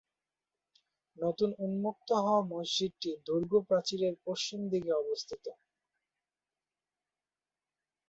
নতুন উন্মুক্ত হওয়া মসজিদটি দুর্গ প্রাচীরের পশ্চিম দিকে অবস্থিত।